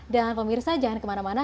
dan pemirsa jangan kemana mana